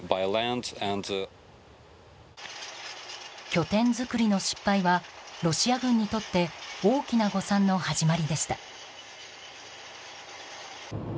拠点作りの失敗はロシア軍にとって大きな誤算の始まりでした。